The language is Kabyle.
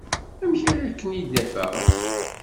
Amek ara ken-id-afeɣ?